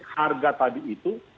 harga tadi itu